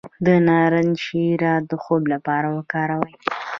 د نارنج شیره د خوب لپاره وکاروئ